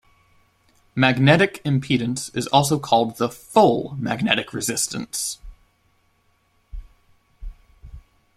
Magnetic impedance is also called the "full" magnetic resistance.